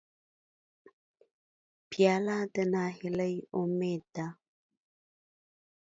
پیاله د نهیلۍ امید ده.